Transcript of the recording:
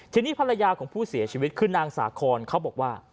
ทีนี้ภรรยาของผู้เสียชีวิตคือนางสาคอนเขาบอกว่า